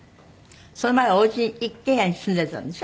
その前はお家に一軒家に住んでたんでしょ？